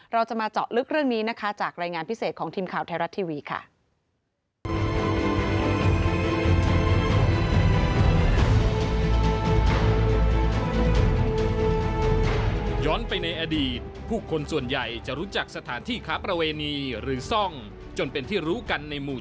เรื่องนี้นะคะจากรายงานพิเศษของทีมข่าวไทยรัฐทีวีค่ะ